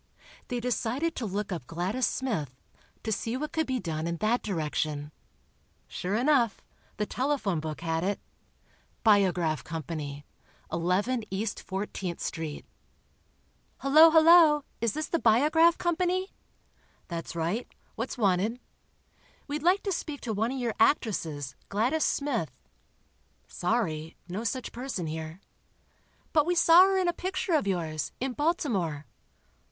They decided to look up Gladys Smith, to see what could be done in that direction. Sure enough, the telephone book had it: "Biograph Co., 11 E. 14th St." "Hello, hello! Is this the Biograph Company?" "That's right. What's wanted?" "We'd like to speak to one of your actresses, Gladys Smith." "Sorry—no such person here." "But we saw her in a picture of yours, in Baltimore."